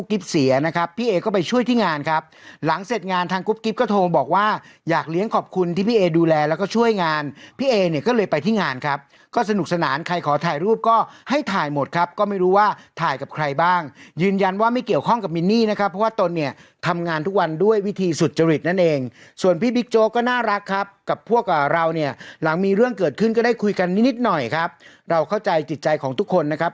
เลยไปที่งานครับก็สนุกสนานใครขอถ่ายรูปก็ให้ถ่ายหมดครับก็ไม่รู้ว่าถ่ายกับใครบ้างยืนยันว่าไม่เกี่ยวข้องกับมินี่นะครับเพราะว่าตนเนี่ยทำงานทุกวันด้วยวิธีสุดจริตนั่นเองส่วนพี่บิ๊กโจ๊ก็น่ารักครับกับพวกเราเนี่ยหลังมีเรื่องเกิดขึ้นก็ได้คุยกันนิดหน่อยครับเราเข้าใจจิตใจของทุกคนนะครับ